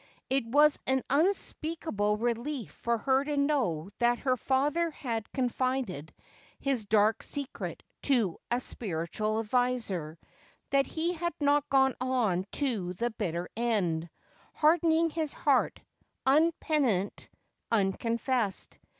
It was an unspeakable relief for her to know that her father had confided his dark secret to a spiritual adviser ; that he had not gone on to the bitter end, hardening his heart, unpenitent, unconfessed.